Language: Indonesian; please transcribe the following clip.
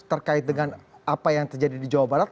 terkait dengan apa yang terjadi di jawa barat